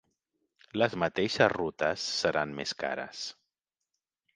Les mateixes rutes seran més cares.